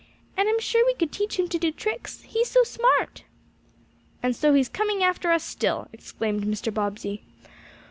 And I'm sure we could teach him to do tricks he's so smart." "And so he's coming after us still!" exclaimed Mr. Bobbsey.